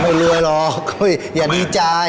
ไม่รวยหรอกอย่าดีจาย